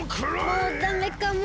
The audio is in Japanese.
もうダメかも。